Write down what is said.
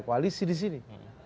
koalisi di sini